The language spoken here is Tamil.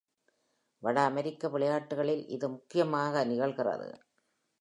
வட அமெரிக்க விளையாட்டுகளில் இது முக்கியமாக நிகழ்கிறது.